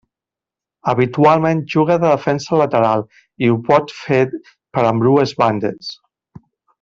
Habitualment juga de defensa lateral, i ho pot fer per ambdues bandes.